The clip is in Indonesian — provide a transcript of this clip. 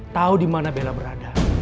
tahu dimana bella berada